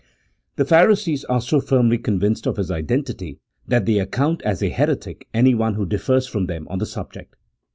The Pharisees are so firmly convinced of his identity, that they account as a heretic anyone who differs from them on the subject.